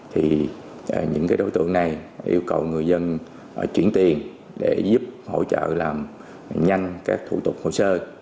thì những đối tượng này yêu cầu người dân chuyển tiền để giúp hỗ trợ làm nhanh các thủ tục hồ sơ